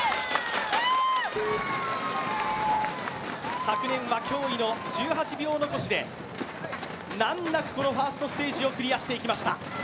昨年は驚異の１８秒残しで難なくこのファーストステージをクリアしていきました。